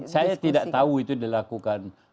saya tidak tahu itu dilakukan